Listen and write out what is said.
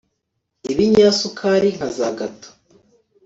ibinyamasukari nka za gato